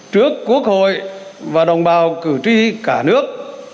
trước quốc hội và đồng bào cử tri cả nước